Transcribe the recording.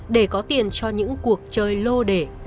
để có tiền cho những cuộc chơi lô đề